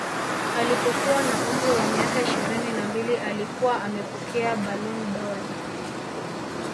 Alipokuwa na umri wa miaka ishirini na mbili alikuwa amepokea Ballon dOr